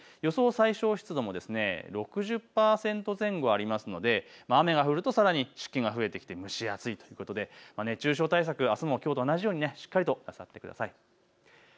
最小湿度も６０％前後ありますので雨が降るとさらに湿気が増えてきて蒸し暑いということで熱中症対策、あすもきょうと同じようにしっかりとなさってください。